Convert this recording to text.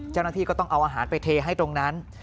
เจ้าหน้าที่ก็ต้องเอาอาหารไปเทให้ตรงนั้น